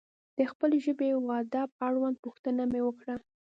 د خپلې ژبې و ادب اړوند پوښتنه مې وکړه.